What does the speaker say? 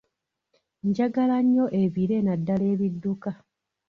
Njagala nnyo ebire naddala ebidduka.